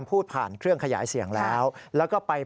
พระบุว่าจะมารับคนให้เดินทางเข้าไปในวัดพระธรรมกาลนะคะ